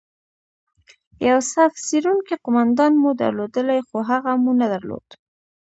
یو صف څیرونکی قومندان مو درلودلای، خو هغه مو نه درلود.